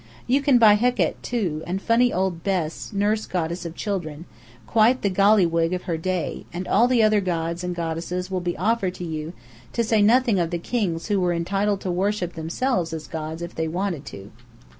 You can buy Hekt, too, and funny old Bes, nurse goddess of children, quite the golliwog of her day; and all the other gods and goddesses will be offered to you, to say nothing of the kings who were entitled to worship themselves as gods if they wanted to.